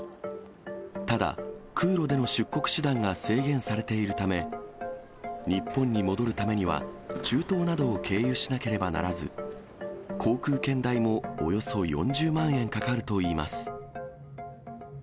ただ、空路での出国手段が制限されているため、日本に戻るためには中東などを経由しなければならず、航空券代もおよそ４０万円かかるといいます。